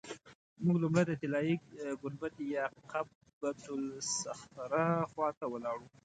موږ لومړی د طلایي ګنبدې یا قبة الصخره خوا ته ولاړو.